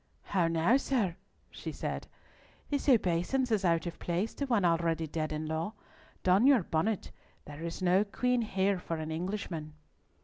"How now, sir?" she said. "This obeisance is out of place to one already dead in law. Don your bonnet. There is no queen here for an Englishman."